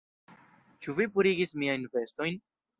Ĉu vi purigis miajn vestojn?